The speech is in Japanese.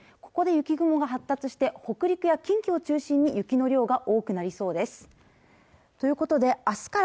ここで雪雲が発達して北陸や近畿を中心に雪の量が多くなりそうです